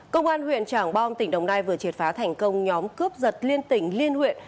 công an huyện trảng bom tỉnh đồng nai vừa triệt phá thành công nhóm cướp giật liên tỉnh liên huyện